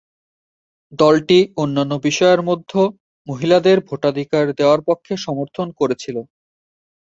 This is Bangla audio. দলটি অন্যান্য বিষয়ের মধ্যে মহিলাদের ভোটাধিকার দেওয়ার পক্ষে সমর্থন করেছিল।